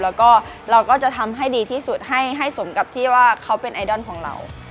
แล้วก็เราก็จะทำให้ดีที่สุดให้สมกับที่ว่าเขาเป็นไอดอลของเรา